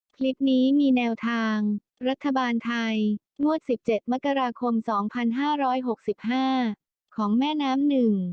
คลิปนี้มีแนวทางรัฐบาลไทยงวด๑๗มกราคม๒๕๖๕ของแม่น้ำหนึ่ง